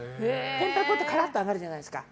天ぷら粉ってカラッと揚がるじゃないですか。